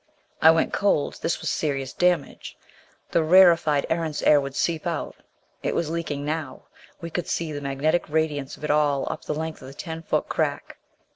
I went cold. This was serious damage. The rarefied Erentz air would seep out. It was leaking now: we could see the magnetic radiance of it all up the length of the ten foot crack.